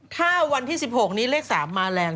ถ้าวันที่๑๖นี้เลข๓มาแรง